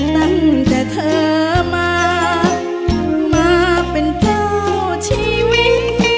ตั้งแต่เธอมามาเป็นเจ้าชีวิต